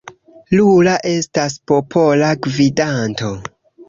Lula estas popola gvidanto.